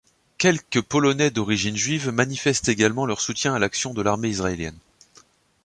Quelques Polonais d'origine juive manifestent également leur soutien à l'action de l'armée israélienne.